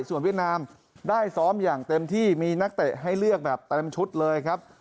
ส่วนเวียดนามได้ซ้อมอย่างเต็มที่มีนักเตะให้เลือกแบบเต็มชุดเลยครับ